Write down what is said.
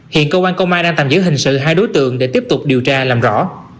hiện cơ quan công an đang tạm giữ hình sự hai đối tượng để tiếp tục điều tra làm rõ